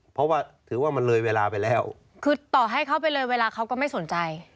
เพราะว่าถือว่ามันเลยเวลาไปแล้วคือต่อให้เขาไปเลยเวลาเขาก็ไม่สนใจ